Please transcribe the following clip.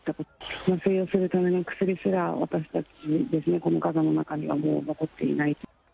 麻酔をするための薬すら、私たち、このガザの中にはもう残っていない。